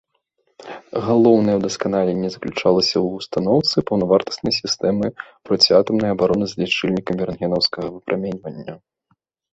Галоўнае ўдасканаленне заключалася ў устаноўцы паўнавартаснай сістэмы проціатамнай абароны з лічыльнікам рэнтгенаўскага выпраменьвання.